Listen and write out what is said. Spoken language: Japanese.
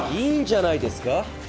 いいんじゃないですか？